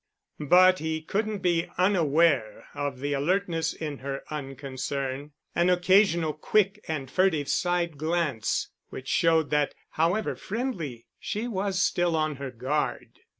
But he couldn't be unaware of the alertness in her unconcern, an occasional quick and furtive side glance which showed that, however friendly, she was still on her guard.